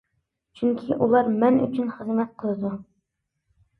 چۈنكى ئۇلار مەن ئۈچۈن خىزمەت قىلىدۇ.